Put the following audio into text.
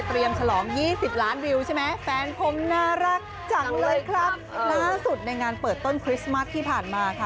ฉลองยี่สิบล้านวิวใช่ไหมแฟนผมน่ารักจังเลยครับล่าสุดในงานเปิดต้นคริสต์มัสที่ผ่านมาค่ะ